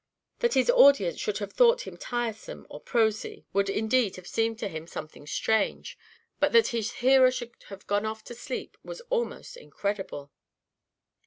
That his audience should have thought him tiresome or prosy, would, indeed, have seemed to him something strange; but that his hearer should have gone off asleep, was almost incredible.